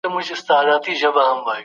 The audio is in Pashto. د کندهار په صنعت کي د پانګې ګټه څه ده؟